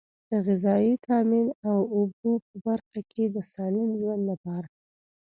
د غذایي تامین او اوبو په برخه کې د سالم ژوند لپاره.